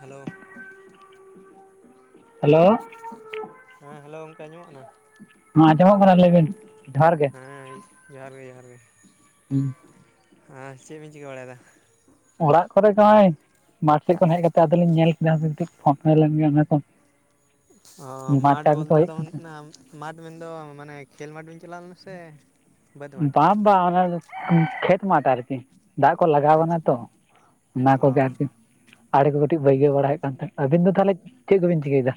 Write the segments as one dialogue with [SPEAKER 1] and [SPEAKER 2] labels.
[SPEAKER 1] Hello
[SPEAKER 2] hello
[SPEAKER 1] ᱦᱮᱸ hello ᱜᱚᱝᱠᱮ ᱟᱸᱡᱚᱢᱚᱜ ᱠᱟᱱᱟ᱾
[SPEAKER 2] ᱦᱚᱸ ᱟᱸᱡᱚᱢᱚᱜ ᱠᱟᱱᱟ ᱞᱟᱹᱭᱵᱤᱱ ᱡᱚᱦᱟᱨ ᱜᱮ᱾
[SPEAKER 1] ᱦᱮᱸ ᱡᱚᱦᱟᱨ ᱜᱮ ᱡᱚᱦᱟᱨ ᱜᱮ᱾
[SPEAKER 2] ᱦᱩᱸ
[SPEAKER 1] ᱦᱮᱸ ᱪᱮᱜ ᱵᱤᱱ ᱪᱤᱠᱟᱹ ᱵᱟᱲᱟᱭᱮᱫᱟ?
[SPEAKER 2] ᱚᱲᱟᱜ ᱠᱚᱨᱮ ᱜᱮ ᱦᱚᱜᱼᱚᱭ ᱢᱟᱴᱷ ᱥᱮᱜ ᱠᱷᱚᱱ ᱦᱮᱡ ᱠᱟᱛᱮ ᱟᱫᱚ ᱞᱤᱧ ᱧᱮᱞ ᱠᱮᱫᱟ ᱦᱟᱯᱮ ᱠᱟᱹᱴᱤᱡ ᱯᱷᱳᱱ ᱞᱮᱱᱜᱮ ᱚᱱᱮᱠᱚ᱾
[SPEAKER 1] ᱚᱸ ᱢᱟᱴᱷ ᱵᱚᱞᱛᱮ
[SPEAKER 2] ᱦᱩᱭᱩᱜ
[SPEAKER 1] ᱫᱚ
[SPEAKER 2] ᱠᱟᱱ
[SPEAKER 1] ᱚᱱᱟ ᱢᱟᱴᱷ ᱢᱮᱱᱫᱚ ᱢᱟᱱᱮ ᱠᱷᱮᱞ ᱢᱟᱴᱷ ᱵᱤᱱ ᱪᱟᱞᱟᱣ ᱞᱮᱱᱟ ᱥᱮ ᱵᱟᱹᱫᱽ ᱢᱟᱴᱷ
[SPEAKER 2] ᱵᱟᱸ ᱵᱟᱸ ᱚᱱᱟ ᱠᱷᱮᱛ ᱢᱟᱴᱷ ᱟᱨᱠᱤ᱾ ᱫᱟᱜ ᱠᱚ ᱞᱟᱜᱟᱣ ᱠᱟᱱᱟ
[SPEAKER 1] ᱟᱪᱪᱷᱟ
[SPEAKER 2] ᱛᱚ ᱚᱱᱟ
[SPEAKER 1] ᱚ
[SPEAKER 2] ᱠᱚᱜᱮ ᱟᱨᱠᱤ᱾ ᱟᱲᱮ ᱠᱚ ᱠᱟᱹᱴᱤᱡ ᱵᱟᱹᱭᱜᱟᱹᱣ ᱵᱟᱲᱟ ᱦᱳᱭᱳᱜ ᱠᱟᱱ ᱛᱟᱦᱮᱸᱫ᱾ ᱟᱹᱵᱤᱱ ᱫᱚ ᱛᱟᱦᱞᱮ ᱪᱮᱫ ᱠᱚᱵᱤᱱ ᱪᱤᱠᱟᱹᱭᱫᱟ?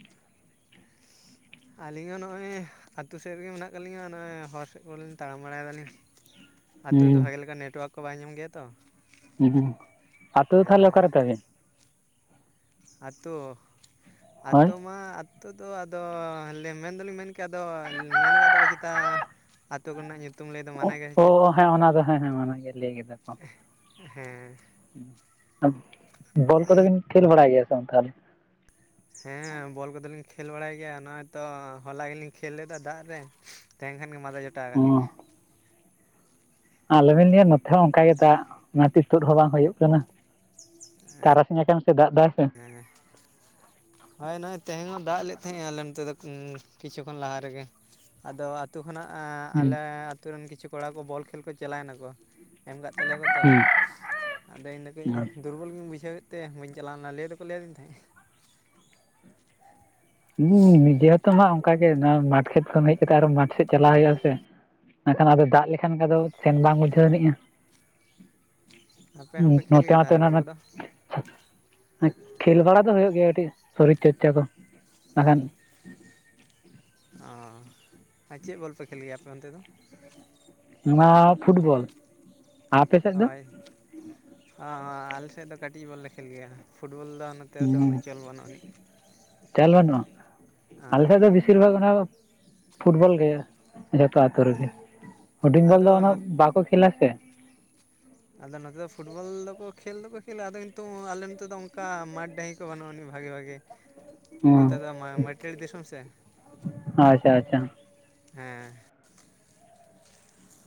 [SPEAKER 1] ᱟᱹᱞᱤᱧ ᱦᱚᱸ ᱱᱚᱜ ᱚᱭ ᱟᱛᱳ ᱥᱮᱜ ᱨᱤᱜᱤ ᱢᱮᱱᱟᱜ ᱠᱟᱜ ᱞᱤᱧᱟ ᱱᱚᱜᱼᱚᱭ ᱦᱚᱨ ᱥᱮᱫ ᱠᱚᱨᱮᱞᱤᱧ ᱛᱟᱲᱟᱢ ᱵᱟᱲᱟᱭ ᱫᱟᱞᱤᱧ᱾ ᱟᱛᱳᱫᱚ
[SPEAKER 2] ᱦᱩᱸ
[SPEAKER 1] ᱵᱷᱟᱜᱮ ᱞᱮᱠᱟ ᱱᱮᱴᱳᱣᱟᱨᱠ ᱠᱚ ᱵᱟᱭ ᱧᱟᱢ ᱜᱮᱭᱟ ᱛᱚ᱾
[SPEAKER 2] ᱦᱩᱸ ᱟᱛᱳ ᱫᱚ ᱛᱟᱦᱞᱮ
[SPEAKER 1] ᱦᱮᱸ
[SPEAKER 2] ᱚᱠᱟ ᱨᱮᱛᱟ ᱵᱤᱱ?
[SPEAKER 1] ᱟᱛᱳ
[SPEAKER 2] ᱦᱳᱭ
[SPEAKER 1] ᱟᱛᱳ ᱢᱟ ᱟᱛᱳ ᱫᱚ ᱟᱫᱚ ᱢᱮᱱᱫᱚᱞᱤᱧ ᱢᱮᱱ ᱠᱮᱭᱟ ᱟᱫᱚ ᱢᱮᱱ ᱠᱟᱫ ᱫᱚᱠᱚ ᱪᱮᱛᱟ ᱟᱛᱳ ᱠᱚᱨᱮᱱᱟᱜ ᱧᱩᱛᱩᱢ ᱞᱟᱹᱭ ᱫᱚ ᱢᱟᱱᱟ ᱜᱮᱭᱟ ᱥᱮ
[SPEAKER 2] ᱚ
[SPEAKER 1] ᱪᱮᱫ
[SPEAKER 2] ᱦᱮᱸ ᱚᱱᱟ ᱫᱚ ᱦᱮᱸ ᱦᱮᱸ ᱚᱱᱟᱜᱮ ᱞᱟᱹᱭ ᱠᱮᱫᱟ ᱠᱚ
[SPEAKER 1] ᱮᱸᱦ᱾ ᱦᱮᱸ
[SPEAKER 2] ᱵᱚᱞ ᱠᱚᱫᱚ ᱵᱤᱱ ᱠᱷᱮᱞ ᱵᱟᱲᱟᱭ ᱜᱮᱭᱟ ᱛᱚ ᱛᱟᱦᱚᱞᱮ?
[SPEAKER 1] ᱦᱮᱸ ᱵᱚᱞ ᱠᱚᱫᱚᱞᱤᱧ ᱠᱷᱮᱞ ᱵᱟᱲᱟᱭ ᱜᱮᱭᱟ ᱱᱚᱜᱼᱚᱭ ᱛᱚ ᱦᱚᱞᱟ ᱜᱮᱞᱤᱧ ᱠᱷᱮᱞ ᱞᱮᱫᱟ ᱫᱟᱜ ᱨᱮ᱾ ᱛᱟᱦᱮᱧ ᱠᱷᱟᱱ ᱜᱮ ᱢᱟᱸᱫᱟ ᱡᱚᱴᱟᱣ ᱠᱟᱫ ᱞᱤᱧᱟᱹ᱾
[SPEAKER 2] ᱚ ᱟᱞᱚᱵᱤᱱ ᱞᱟᱹᱭᱟ ᱱᱚᱛᱷᱮ ᱦᱚᱸ ᱚᱱᱠᱟ ᱜᱮ ᱫᱟᱜ ᱚᱱᱟᱛᱮ ᱛᱩᱫ ᱦᱚᱸ ᱵᱟᱝ ᱦᱩᱭᱩᱜ ᱠᱟᱱᱟ ᱛᱟᱨᱟ ᱱᱟᱥᱮ ᱱᱟᱥᱮ ᱫᱟᱜ ᱫᱟᱭ ᱥᱮ
[SPEAKER 1] ᱦᱮᱸ ᱦᱳᱭ ᱱᱚᱜᱼᱚᱭ ᱛᱮᱦᱮᱧ ᱦᱚᱸ ᱫᱟᱜ ᱞᱮᱫ ᱛᱟᱦᱮᱸ ᱟᱭ ᱟᱞᱮ ᱱᱚᱛᱮ ᱫᱚ ᱠᱤᱪᱷᱩ ᱠᱷᱚᱱ ᱞᱟᱦᱟ ᱨᱮᱜᱮ᱾ ᱟᱫᱚ ᱟᱛᱳ ᱠᱷᱚᱱᱟᱜ ᱟᱸ
[SPEAKER 2] ᱦᱩᱸ
[SPEAKER 1] ᱟᱞᱮ ᱟᱹᱛᱩ ᱨᱮᱱ ᱠᱤᱪᱷᱩ ᱠᱚᱲᱟ ᱠᱚ ᱵᱚᱞ ᱠᱷᱮᱞ ᱠᱚ ᱪᱟᱞᱟᱭᱱᱟᱠᱚ᱾ ᱮᱢ ᱠᱟᱫ ᱛᱟᱞᱮᱭᱟᱠᱚ ᱛᱚ᱾
[SPEAKER 2] ᱦᱩᱸ
[SPEAKER 1] ᱟᱫᱚ ᱤᱧᱫᱚ ᱠᱟᱹᱡ ᱫᱩᱨᱵᱚᱞ ᱜᱤᱧ ᱵᱩᱡᱷᱟᱹᱣᱮᱫ ᱛᱮ ᱵᱟᱹᱧ ᱪᱟᱞᱟᱣᱱᱟ᱾ ᱱᱟ ᱞᱟᱹᱭ ᱫᱚᱠᱚ ᱞᱟᱹᱭᱟᱫᱤᱧ ᱛᱟᱦᱮᱸᱫ᱾
[SPEAKER 2] ᱦᱩᱸ ᱱᱤᱡᱮ ᱦᱚᱸᱛᱚ ᱢᱟ ᱚᱱᱠᱟ ᱜᱮ ᱱᱚᱣᱟ ᱢᱟᱴᱷ ᱠᱷᱮᱛ ᱠᱷᱚᱱ ᱦᱮᱡ ᱠᱟᱛᱮ ᱟᱨᱦᱚᱸ ᱢᱟᱴᱷ ᱥᱮᱫ ᱪᱟᱞᱟᱭ ᱦᱳᱭᱳᱜ ᱟ ᱥᱮ᱾ ᱱᱟᱜᱠᱷᱟᱱ ᱟᱫᱚ ᱫᱟᱜ ᱞᱮᱠᱷᱟᱱ ᱜᱮ ᱟᱫᱚ ᱥᱮᱱ ᱵᱟᱝ ᱵᱩᱡᱷᱟᱹᱣ ᱟᱱᱤᱡᱼᱟ᱾
[SPEAKER 1] ᱟᱯᱮ
[SPEAKER 2] ᱦᱩ
[SPEAKER 1] ᱦᱚᱸᱯᱮ ᱠᱷᱮᱞ
[SPEAKER 2] ᱱᱚᱛᱮ
[SPEAKER 1] ᱜᱮᱭᱟ
[SPEAKER 2] ᱢᱟᱛᱚ
[SPEAKER 1] ᱛᱟᱦᱚᱞᱮ ᱵᱚᱞ
[SPEAKER 2] ᱮᱱᱚᱜ
[SPEAKER 1] ᱠᱚᱫᱚ
[SPEAKER 2] ᱠᱷᱮᱞ ᱵᱟᱲᱟ ᱫᱚ ᱦᱳᱭᱳᱜ ᱜᱮᱭᱟ ᱠᱟᱹᱴᱤᱡ ᱥᱚᱨᱤᱨ ᱪᱚᱨᱪᱟ ᱠᱚ᱾ ᱱᱟᱜᱠᱷᱟᱱ
[SPEAKER 1] ᱚᱻ᱾ ᱟᱨ ᱪᱮᱜ ᱵᱚᱞ ᱯᱮ ᱠᱷᱮᱞ ᱜᱮᱭᱟ ᱟᱯᱮ ᱚᱱᱛᱮ ᱫᱚ?
[SPEAKER 2] ᱱᱚᱣᱟ ᱯᱷᱩᱴᱵᱚᱞ᱾ ᱟᱯᱮ ᱥᱮᱫ ᱫᱚ
[SPEAKER 1] ᱦᱳᱭ᱾ ᱟ ᱟᱞᱮᱥᱮᱫ ᱫᱚ ᱠᱟᱹᱴᱤᱡ ᱵᱚᱞ ᱞᱮ ᱠᱷᱮᱞ ᱜᱮᱭᱟ᱾ ᱯᱷᱩᱴᱵᱚᱞ ᱫᱚ ᱦᱟᱱᱮ ᱱᱚᱛᱮ ᱨᱮᱫᱚ ᱩᱱᱟᱹᱜ
[SPEAKER 2] ᱦᱩᱸ
[SPEAKER 1] ᱪᱚᱞ ᱵᱟᱹᱱᱩᱜ ᱟᱹᱱᱤᱡ
[SPEAKER 2] ᱪᱟᱞ ᱵᱟᱹᱱᱩᱜᱼᱟ ᱟᱞᱮ ᱥᱮᱫ ᱫᱚ ᱵᱮᱥᱤᱨ ᱵᱷᱟᱜᱽ ᱚᱱᱟ ᱯᱷᱩᱴᱵᱚᱞ ᱜᱮ ᱡᱷᱚᱛᱚ ᱟᱛᱳ ᱨᱮᱜᱮ᱾ ᱦᱩᱰᱤᱝ ᱵᱚᱞ ᱫᱚ
[SPEAKER 1] ᱟᱫᱚ
[SPEAKER 2] ᱩᱱᱟᱹᱜ
[SPEAKER 1] ᱱᱚᱛ
[SPEAKER 2] ᱵᱟᱠᱚ ᱠᱷᱮᱞᱟ ᱥᱮ᱾
[SPEAKER 1] ᱟᱫᱚ ᱱᱚᱛᱮ ᱫᱚ ᱯᱷᱩᱴᱵᱚᱞ ᱫᱚᱠᱚ ᱠᱷᱮᱞ ᱫᱚᱠᱚ ᱟᱫᱚ ᱠᱤᱱᱛᱩ ᱟᱞᱮ ᱱᱚᱛᱮ ᱫᱚ ᱚᱱᱠᱟ ᱢᱟᱴᱷ ᱰᱟᱺᱦᱤ ᱠᱚ ᱵᱟᱹᱱᱩᱜ ᱟᱹᱱᱤᱡ ᱵᱷᱟᱜᱮ ᱵᱷᱟᱜᱮ᱾
[SPEAKER 2] ᱦᱩᱸ
[SPEAKER 1] ᱱᱚᱛᱮ ᱫᱚ ᱢᱟ-ᱢᱟᱹᱴᱩᱭᱟᱹᱲ ᱫᱤᱥᱚᱢ ᱥᱮ᱾
[SPEAKER 2] ᱟᱪᱪᱷᱟ ᱟᱪᱪᱷᱟ
[SPEAKER 1] ᱦᱮᱸ᱾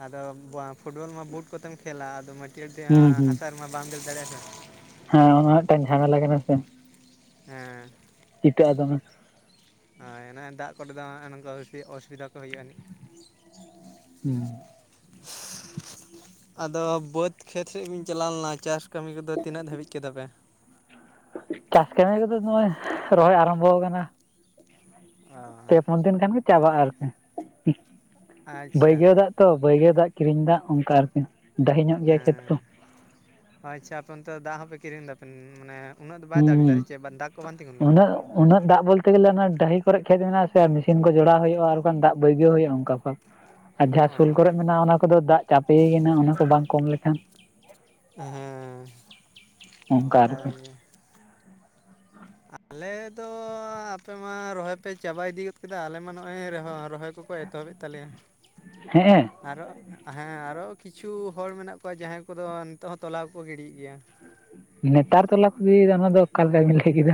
[SPEAKER 1] ᱟᱫᱚ ᱵᱟ ᱯᱷᱩᱴᱵᱚᱞ ᱢᱟ ᱵᱩᱴ ᱠᱚᱛᱮᱢ ᱠᱷᱮᱞᱟ, ᱟᱫᱚ
[SPEAKER 2] ᱦᱩᱸ
[SPEAKER 1] ᱢᱟᱹᱴᱤᱭᱟᱹᱲ
[SPEAKER 2] ᱦᱩᱸ
[SPEAKER 1] ᱦᱟᱥᱟ ᱨᱮᱢᱟ ᱵᱟᱢ ᱫᱟᱹᱲ ᱫᱟᱲᱮᱭᱟᱜᱼᱟ ᱥᱮ᱾
[SPEAKER 2] ᱦᱮᱸ ᱚᱱᱟ ᱢᱤᱫᱴᱟᱝ ᱡᱷᱟᱢᱮᱞᱟ ᱠᱟᱱᱟ ᱥᱮ᱾
[SPEAKER 1] ᱦᱮᱸ᱾
[SPEAKER 2] ᱪᱤᱴᱟᱹᱜ-ᱟ ᱫᱚᱢᱮ᱾
[SPEAKER 1] ᱦᱳᱭ ᱚᱱᱮ ᱫᱟᱜ ᱠᱚᱨᱮ ᱫᱚ ᱱᱚ-ᱚᱭ ᱱᱚᱝᱠᱟ ᱚᱥᱩᱵᱤᱫᱷᱟ ᱠᱚ ᱦᱩᱭᱩᱜ ᱟᱹᱱᱤᱡ᱾
[SPEAKER 2] ᱦᱮᱸ᱾
[SPEAKER 1] ᱟᱫᱚ ᱵᱟᱹᱫᱽ ᱠᱷᱮᱛ ᱥᱮᱫ ᱵᱤᱱ ᱪᱟᱞᱟᱣ ᱞᱮᱱᱟ ᱪᱟᱥ ᱠᱟᱹᱢᱤ ᱠᱚᱫᱚ ᱛᱤᱱᱟᱹᱜ ᱫᱷᱟᱹᱵᱤᱡ ᱠᱮᱫᱟ ᱯᱮ?
[SPEAKER 2] ᱪᱟᱥ ᱠᱟᱹᱢᱤ ᱠᱚᱫᱚ ᱱᱚᱜᱼᱚᱭ ᱨᱚᱦᱚᱭ ᱟᱨᱟᱢᱵᱣ ᱟᱠᱟᱱᱟ᱾
[SPEAKER 1] ᱚ
[SPEAKER 2] ᱯᱮ ᱯᱩᱱ ᱫᱤᱱ ᱠᱷᱟᱱᱜ ᱪᱟᱵᱟᱜᱼᱟ ᱟᱨᱠᱤ᱾
[SPEAKER 1] ᱟᱪᱪᱷᱟ
[SPEAKER 2] ᱵᱟᱹᱭᱜᱟᱹᱣ ᱫᱟᱜ ᱛᱚ ᱵᱟᱹᱭᱜᱟᱹᱣ ᱫᱟᱜ, ᱠᱤᱨᱤᱧ ᱫᱟᱜ ᱚᱱᱠᱟ ᱟᱨᱠᱤ᱾ ᱰᱟᱹᱦᱤ ᱧᱚᱜ ᱜᱮᱭᱟ ᱠᱷᱮᱛ ᱠᱚ᱾
[SPEAKER 1] ᱳ ᱟᱪᱪᱷᱟ ᱟᱯᱮ ᱚᱱᱛᱮ ᱫᱟᱜ ᱦᱚᱸ ᱯᱮ ᱠᱤᱨᱤᱧ ᱫᱟᱯᱮ᱾ ᱢᱟᱱᱮ ᱩᱱᱟᱹᱜ ᱫᱚ ᱵᱟᱭ
[SPEAKER 2] ᱦᱩᱸ
[SPEAKER 1] ᱫᱟᱜᱽ ᱮᱫᱟ
[SPEAKER 2] ᱦᱩᱸ
[SPEAKER 1] ᱥᱮ ᱪᱮᱫ ᱵᱟᱝ ᱫᱟᱜᱽ ᱠᱚ ᱵᱟᱝ ᱛᱤᱸᱜᱩᱱ ᱠᱟᱱᱟ?
[SPEAKER 2] ᱩᱱᱟᱹᱜ ᱫᱟᱜ ᱵᱚᱞᱛᱮ ᱜᱮᱞᱮ ᱚᱱᱟ ᱰᱟᱹᱦᱤᱨᱮ ᱠᱷᱮᱛ ᱩᱱᱟᱹᱜ ᱫᱟᱜ ᱩᱱᱟᱹᱜ ᱫᱟᱜ ᱵᱚᱞᱛᱮ ᱜᱮᱞᱮ ᱚᱱᱟ ᱰᱟᱺᱦᱤ ᱠᱚᱨᱮ ᱠᱷᱮᱛ ᱢᱮᱱᱟᱜᱼᱟ ᱥᱮ ᱟᱨ ᱢᱮᱥᱤᱱ ᱠᱚ ᱡᱚᱲᱟᱣ ᱦᱩᱭᱩᱜᱼᱟ ᱟᱨ ᱵᱟᱝᱠᱷᱟᱱ ᱫᱟᱜ ᱵᱟᱹᱭᱟᱜᱟᱣ ᱦᱩᱭᱩᱜᱼᱟ ᱚᱱᱠᱟ ᱠᱚ᱾
[SPEAKER 1] [inaudible]
[SPEAKER 2] ᱟᱨ ᱡᱟᱦᱟᱸ ᱥᱳᱞ ᱠᱚᱨᱮᱜ ᱢᱮᱱᱟᱜᱼᱟ ᱚᱱᱟ ᱠᱚᱫᱚ ᱫᱟᱜ ᱪᱟᱯᱮᱭ ᱠᱟᱱᱟ ᱚᱱᱟ ᱠᱚ ᱵᱟᱝ ᱠᱚᱢ ᱞᱮᱠᱷᱟᱱ᱾
[SPEAKER 1] ᱦᱮᱸ ᱠᱟᱛᱷᱟ
[SPEAKER 2] ᱚᱱᱠᱟ
[SPEAKER 1] ᱠᱟᱱ
[SPEAKER 2] ᱟᱨᱠᱤ
[SPEAKER 1] ᱜᱮᱭᱟ᱾ ᱟᱞᱮ ᱫᱚ ᱟ ᱟᱯᱮ ᱢᱟ ᱨᱚᱦᱚᱭ ᱯᱮ ᱪᱟᱵᱟ ᱤᱫᱤ ᱜᱚᱫ ᱠᱮᱫᱟ᱾ ᱟᱞᱮ ᱢᱟ ᱱᱚᱜᱼᱚᱭ ᱨᱚᱦᱚᱭ ᱠᱚᱠᱚ ᱮᱛᱚᱦᱚᱵᱮᱫ ᱛᱟᱞᱮᱭᱟ᱾
[SPEAKER 2] ᱦᱮᱸᱜ-ᱮ᱾
[SPEAKER 1] ᱟᱨᱚ ᱦᱮᱸ ᱟᱨᱚ ᱠᱤᱪᱷᱩ ᱦᱚᱲ ᱢᱮᱱᱟᱜ ᱠᱚᱣᱟ ᱡᱟᱦᱟᱸᱭ ᱠᱚᱫᱚ ᱱᱤᱛᱚᱜ ᱦᱚᱸ ᱛᱚᱞᱟ ᱠᱚᱠᱚ ᱜᱤᱰᱤᱭᱮᱫ ᱜᱮᱭᱟ᱾
[SPEAKER 2] ᱱᱮᱛᱟᱨ ᱛᱚᱞᱟ ᱠᱚ ᱜᱤᱲᱤᱭᱮᱫᱟ ᱚᱱᱟ ᱫᱚ ᱚᱠᱟᱞ ᱞᱮᱠᱟ ᱵᱤᱱ ᱞᱟᱹᱭ ᱠᱮᱫᱟ᱾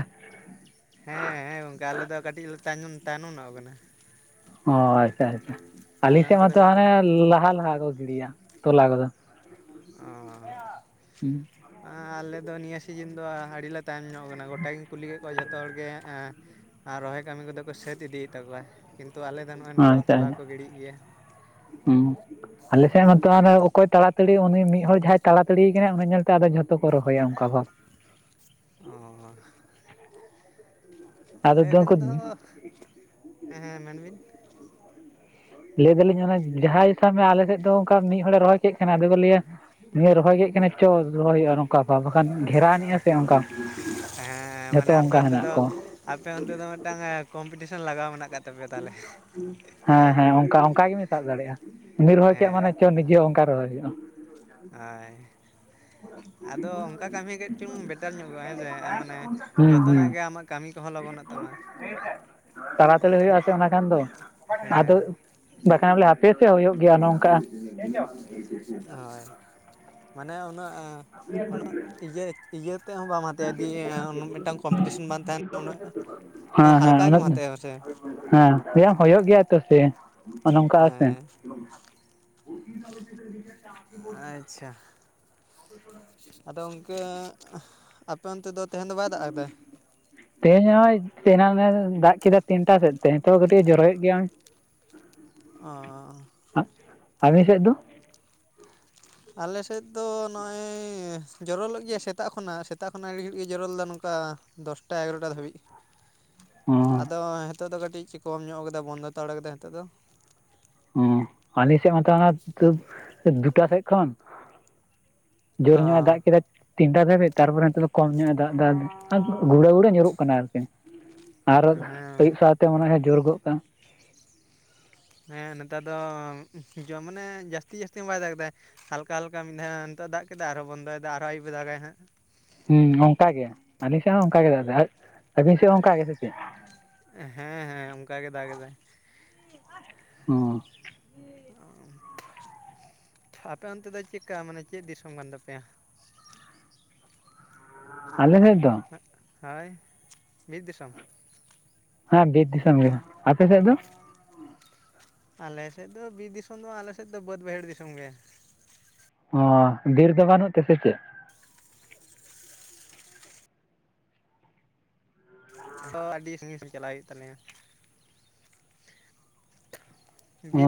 [SPEAKER 1] ᱦᱮᱸ ᱦᱮᱸ ᱜᱚᱝᱠᱮ ᱟᱞᱮ ᱫᱚ ᱠᱟᱹᱴᱤᱡ ᱞᱮ ᱛᱟᱭᱱᱚᱢ ᱛᱟᱭᱱᱚᱢ ᱧᱚᱜ ᱠᱟᱱᱟ᱾
[SPEAKER 2] ᱚ ᱟᱪᱪᱷᱟ ᱟᱪᱪᱷᱟ
[SPEAKER 1] ᱟᱞᱮ
[SPEAKER 2] ᱟᱹᱞᱤᱧ ᱥᱮᱫ
[SPEAKER 1] ᱚᱱᱛᱮ ᱫᱚ
[SPEAKER 2] ᱢᱟᱛᱚ
[SPEAKER 1] ᱠᱟᱹᱴᱤᱡ
[SPEAKER 2] ᱦᱟᱱᱮ ᱞᱟᱦᱟ ᱞᱟᱦᱟ ᱠᱚ ᱜᱤᱰᱤᱭᱟ, ᱛᱚᱞᱟ ᱠᱚᱫᱚ᱾
[SPEAKER 1] ᱚ᱾
[SPEAKER 2] ᱦᱩᱸ
[SPEAKER 1] ᱟᱸ ᱟᱞᱮ ᱫᱚ ᱱᱤᱭᱟᱹ ᱥᱤᱡᱤᱱ ᱫᱚ ᱟᱹᱰᱤ ᱞᱮ ᱛᱟᱭᱚᱢ ᱧᱚᱜ ᱠᱟᱱᱟ᱾ ᱜᱳᱴᱟ ᱜᱤᱧ ᱠᱩᱞᱤ ᱠᱮᱫ ᱠᱚᱣᱟ ᱡᱷᱚᱛᱚ ᱦᱚᱲ ᱜᱮ ᱮᱸ ᱟᱨ ᱨᱚᱦᱚᱭ ᱠᱟᱹᱢᱤ ᱠᱚᱫᱚ ᱠᱚ ᱥᱟᱹᱛ ᱤᱫᱤᱭᱮᱫ ᱛᱟᱠᱚᱣᱟ ᱠᱤᱱᱛᱩ ᱟᱞᱮ ᱫᱚ ᱱᱚᱜ-ᱚᱭ ᱱᱤᱛᱚᱜ ᱦᱚᱸ ᱛᱚᱞᱟ ᱠᱚ ᱜᱤᱲᱤᱭᱮᱜ ᱜᱮᱭᱟ᱾
[SPEAKER 2] ᱦᱮᱸ᱾ ᱟᱞᱮ ᱥᱮᱜ ᱢᱟᱛᱚ ᱚᱠᱚᱭ ᱛᱟᱲᱟᱛᱟᱹᱲᱤ ᱩᱱᱤ ᱢᱤᱜ ᱦᱚᱲ ᱡᱟᱦᱟᱸᱭ ᱛᱟᱲᱟᱛᱟᱹᱲᱤᱭ ᱟᱠᱟᱱᱟᱭ ᱩᱱᱤ ᱧᱮᱞᱛᱮ ᱟᱫᱚ ᱡᱷᱚᱛᱚ ᱠᱚ ᱨᱚᱦᱚᱭᱟ ᱚᱱᱠᱟ ᱵᱷᱟᱜ᱾
[SPEAKER 1] ᱟᱻ
[SPEAKER 2] ᱟᱫᱚ
[SPEAKER 1] ᱟᱞᱮ
[SPEAKER 2] ᱩᱱᱠᱩ
[SPEAKER 1] ᱨᱮᱱ ᱫᱚ, ᱦᱮᱸ ᱢᱮᱱ ᱵᱤᱱᱼᱼ
[SPEAKER 2] ᱞᱟᱹᱭ ᱮᱫᱟᱞᱤᱧ ᱚᱱᱟ ᱡᱟᱦᱟᱸᱭ ᱦᱤᱥᱟᱹᱵ ᱢᱮ ᱟᱞᱮ ᱥᱮᱜ ᱫᱚ ᱚᱱᱠᱟ ᱢᱤᱜ ᱦᱚᱲᱮ ᱨᱚᱦᱚᱭ ᱠᱮᱫ ᱠᱷᱟᱱ ᱟᱫᱚ ᱠᱚ ᱞᱟᱹᱭᱟᱼᱼ ᱩᱱᱤᱭ ᱨᱚᱦᱚᱭ ᱠᱮᱜ ᱠᱷᱟᱱᱮ ᱪᱚ ᱨᱚᱦᱚᱭ ᱦᱩᱭᱩᱜᱼᱟ ᱟᱨᱦᱚᱸ᱾ ᱚᱠᱟ ᱵᱟᱵᱠᱷᱟᱱ ᱜᱷᱮᱨᱟ ᱱᱤᱭᱟ ᱛᱮ ᱚᱱᱠᱟ
[SPEAKER 1] ᱦᱮᱸ
[SPEAKER 2] ᱡᱷᱚᱛᱚ
[SPEAKER 1] ᱢᱟᱱᱮ ᱟᱯᱮ
[SPEAKER 2] ᱚᱱᱠᱟ
[SPEAKER 1] ᱚᱱᱛᱮ
[SPEAKER 2] ᱦᱮᱱᱟᱜ
[SPEAKER 1] ᱫᱚ
[SPEAKER 2] ᱠᱚᱣᱟ᱾
[SPEAKER 1] ᱟᱯᱮ ᱚᱱᱛᱮ ᱫᱚ ᱢᱤᱫᱴᱟᱝ ᱠᱚᱢᱯᱤᱴᱤᱥᱚᱱ ᱞᱟᱜᱟᱣ ᱢᱮᱱᱟᱜ ᱟᱠᱟᱫ ᱛᱟᱯᱮᱭᱟ ᱛᱟᱦᱞᱮ᱾
[SPEAKER 2] ᱦᱮᱸ ᱦᱮᱸ ᱚᱱᱠᱟ ᱚᱱᱠᱟ ᱜᱮ ᱵᱮᱱ ᱥᱟᱵ ᱫᱟᱲᱮᱭᱟᱜᱼᱟ ᱩᱱᱤ ᱨᱚᱦᱚᱭ ᱠᱮᱜᱼᱟ, ᱢᱟᱱᱮ
[SPEAKER 1] ᱦᱮᱸ
[SPEAKER 2] ᱪᱚ ᱱᱤᱡᱮ ᱦᱚᱸ ᱚᱱᱠᱟ ᱨᱚᱦᱚᱭ ᱦᱩᱭᱩᱜᱼᱟ᱾
[SPEAKER 1] ᱦᱚᱭ, ᱟᱫᱚ ᱚᱱᱠᱟ ᱠᱟᱹᱢᱤ ᱠᱮᱫ ᱪᱚᱝ ᱵᱮᱴᱟᱨ ᱧᱚᱜᱚᱜᱼᱟ ᱦᱮᱸ ᱥᱮ ᱢᱟᱱᱮᱼᱼ
[SPEAKER 2] ᱦᱩᱸ ᱦᱩᱸ
[SPEAKER 1] ᱡᱚᱛᱚᱱᱟᱜ ᱜᱮ ᱟᱢᱟᱜ ᱠᱟᱹᱢᱤ ᱠᱚᱦᱚᱸ ᱞᱚᱜᱚᱱᱚᱜ ᱛᱟᱢᱟ᱾
[SPEAKER 2] ᱛᱟᱲᱟᱛᱟᱹᱲᱤ ᱦᱩᱭᱩᱜ-ᱟ ᱥᱮ ᱚᱱᱟ ᱠᱷᱟᱱ ᱫᱚ ᱟᱫᱚᱼᱼ
[SPEAKER 1] ᱦᱮᱸ
[SPEAKER 2] ᱵᱟᱠᱷᱟᱱ ᱵᱚᱞᱮ ᱦᱟᱯᱮ ᱥᱮ ᱦᱩᱭᱩᱜ ᱜᱮᱭᱟ ᱱᱚᱝᱠᱟ᱾ [unintelligible]
[SPEAKER 1] ᱦᱚᱭ ᱢᱟᱱᱮ ᱩᱱᱟᱹᱜᱼᱼ ᱩᱱᱟᱹᱜ ᱤᱭᱟᱹ ᱤᱭᱟᱹ ᱛᱮᱦᱚᱸ ᱵᱟᱢ ᱦᱟᱛᱟᱣᱼᱟ, ᱤᱫᱤᱭᱟᱹ ᱢᱤᱫᱴᱟᱱ ᱠᱚᱢᱯᱤᱴᱤᱥᱮᱱ ᱵᱟᱝ ᱛᱟᱦᱮᱸᱱᱟ ᱩᱱᱟᱹᱜᱼᱼ
[SPEAKER 2] ᱦᱚᱸ ᱦᱚᱸ ᱦᱮᱸ ᱦᱩᱭᱩᱜ ᱜᱮᱭᱟ ᱛᱚ ᱥᱮ ᱱᱚᱝᱠᱟᱜ-ᱟ ᱥᱮ᱾
[SPEAKER 1] ᱦᱮᱸ
[SPEAKER 2] [inaudible] [inaudible]
[SPEAKER 1] ᱟᱪᱪᱷᱟ᱾ ᱟᱫᱚ ᱜᱚᱝᱠᱮ ᱟᱯᱮ ᱚᱱᱛᱮ ᱫᱚ ᱛᱮᱦᱮᱱ ᱫᱚ ᱵᱟᱭ ᱫᱟᱜ ᱟᱠᱟᱫᱟ?
[SPEAKER 2] ᱛᱮᱦᱮᱧ ᱱᱚᱜᱼᱚᱭ ᱮᱱᱟᱝ ᱱᱚᱜ ᱫᱟᱜ ᱠᱮᱫᱟ ᱛᱤᱱᱴᱟ ᱥᱮᱫ ᱛᱮ ᱱᱤᱛᱚᱜ ᱠᱟᱹᱴᱤᱡ ᱡᱚᱨᱚᱭᱮᱫ ᱜᱮᱭᱟᱭ᱾
[SPEAKER 1] ᱚᱻ
[SPEAKER 2] ᱟᱵᱮᱱ ᱥᱮᱜ ᱫᱚ?
[SPEAKER 1] ᱟᱞᱮ ᱥᱮᱫ ᱫᱚ ᱱᱚᱜᱼᱚᱭ ᱡᱚᱨᱚᱞᱮᱫ ᱜᱮᱭᱟᱭ ᱥᱮᱛᱟᱜ ᱠᱷᱚᱱᱟᱜ ᱥᱮᱛᱟᱜ ᱠᱷᱚᱱᱟᱜ ᱟᱹᱰᱤ ᱜᱷᱟᱹᱲᱤᱡ ᱜᱮ ᱡᱚᱨᱚᱞᱮᱫᱟ ᱱᱚᱝᱠᱟ ᱫᱚᱥᱴᱟ ᱮᱜᱟᱨᱚᱴᱟ ᱫᱷᱟᱹᱵᱤᱡ᱾
[SPEAKER 2] ᱚᱸ
[SPEAKER 1] ᱟᱫᱚ ᱱᱤᱛᱚᱜ ᱫᱚ ᱠᱟᱹᱴᱤᱡ ᱠᱚᱢ ᱧᱚᱜ ᱠᱟᱫᱟ ᱵᱚᱱᱫᱚ ᱦᱟᱛᱟᱲ ᱠᱟᱫᱟᱭ ᱱᱤᱛᱚᱜ ᱫᱚ᱾
[SPEAKER 2] ᱦᱩᱸ ᱟᱞᱮ ᱥᱮᱜ ᱦᱚᱸ ᱢᱟᱛᱚ ᱚᱱᱟ ᱮᱠ ᱫᱩᱴᱟ ᱥᱮᱫ ᱠᱷᱚᱱ ᱡᱩᱨ
[SPEAKER 1] ᱚ
[SPEAKER 2] ᱧᱚᱜ ᱮ ᱫᱟᱜ ᱠᱮᱫᱟ ᱛᱤᱱᱴᱟ ᱫᱷᱟᱹᱵᱤᱡ ᱛᱟᱨᱯᱚᱨᱮ ᱱᱤᱛᱚᱜ ᱫᱚ ᱠᱚᱢ ᱧᱚᱜ ᱮ ᱫᱟᱜ ᱮᱫᱟ᱾ ᱜᱷᱩᱲᱟᱹ ᱜᱷᱩᱲᱟᱹ ᱧᱩᱨᱩᱜ ᱠᱟᱱᱟ ᱟᱨᱠᱤ ᱟᱨ
[SPEAKER 1] ᱦᱮᱸ
[SPEAKER 2] ᱟᱹᱭᱩᱵ ᱥᱟᱶᱛᱮ ᱢᱚᱱᱮ ᱡᱩᱨ ᱜᱚᱫ ᱠᱟᱜᱼᱟ᱾
[SPEAKER 1] ᱦᱮᱸ ᱱᱮᱛᱟᱨ ᱫᱚ ᱡᱚ ᱢᱟᱱᱮ ᱡᱟᱹᱥᱛᱤ ᱡᱟᱹᱥᱛᱤ ᱦᱚᱸ ᱵᱟᱭ ᱫᱟᱜ ᱟᱠᱫᱟ᱾ ᱦᱟᱞᱠᱟ ᱦᱟᱞᱠᱟ ᱢᱤᱫᱷᱟᱣ ᱱᱤᱛᱚᱜ ᱮ ᱫᱟᱜ ᱠᱮᱫᱟ, ᱟᱨᱦᱚᱸ ᱵᱚᱱᱫᱚᱭᱮᱫᱟ ᱟᱨᱚ ᱟᱭᱩᱵ ᱮ ᱫᱟᱜᱟᱭ ᱦᱟᱸᱜ᱾
[SPEAKER 2] ᱦᱩᱸ ᱚᱱᱠᱟ ᱜᱮ ᱟᱹᱞᱤ ᱥᱮᱜ ᱦᱚᱸ ᱚᱱᱠᱟ ᱜᱮ ᱫᱟᱜ ᱮᱫᱟᱭ ᱟᱹᱵᱤᱱ ᱥᱮᱜ ᱦᱚᱸ ᱚᱱᱠᱟ ᱜᱮ ᱥᱮ ᱪᱮᱜ?
[SPEAKER 1] ᱦᱮᱸ ᱦᱮᱸ ᱚᱱᱠᱟ ᱜᱮ ᱫᱟᱜ ᱮᱫᱟᱭ᱾
[SPEAKER 2] ᱦᱚᱸ᱾
[SPEAKER 1] [unintelligible] [inaudible] ᱟᱯᱮ ᱚᱱᱛᱮ ᱫᱚ ᱪᱮᱜᱠᱟ? ᱢᱟᱱᱮ ᱪᱮᱜ ᱫᱤᱥᱚᱢ ᱠᱟᱱ ᱛᱟᱯᱮᱭᱟ?
[SPEAKER 2] ᱟᱞᱮ ᱥᱮᱜ ᱫᱚ
[SPEAKER 1] ᱦᱚᱭ ᱵᱤᱨ ᱫᱤᱥᱚᱢ?
[SPEAKER 2] ᱦᱮᱸ ᱵᱮᱨ ᱫᱤᱥᱚᱢ ᱜᱮ᱾ ᱟᱯᱮ ᱥᱮᱜ ᱫᱚ?
[SPEAKER 1] ᱟᱞᱮ ᱥᱮᱜ ᱫᱚ ᱵᱤᱨ ᱫᱤᱥᱚᱢ ᱫᱚ ᱵᱟᱝ ᱟᱞᱮ ᱥᱮᱜ ᱫᱚ ᱵᱟᱹᱫᱽ ᱵᱟᱹᱭᱦᱟᱹᱲ ᱫᱤᱥᱚᱢ ᱜᱮ᱾
[SPEAKER 2] ᱚ ᱵᱤᱨ ᱫᱚ ᱵᱟᱹᱱᱩᱜ ᱛᱮ ᱥᱮ ᱪᱮᱜ?
[SPEAKER 1] [unintelligible] ᱟᱹᱰᱤ ᱥᱟᱹᱜᱤᱧ ᱥᱟᱹᱜᱤᱧ ᱪᱟᱞᱟᱜ ᱦᱩᱭᱩᱜ ᱛᱟᱞᱮᱭᱟ᱾